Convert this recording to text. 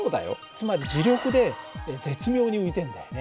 つまり磁力で絶妙に浮いてるんだよね。